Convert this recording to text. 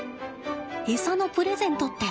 餌のプレゼントって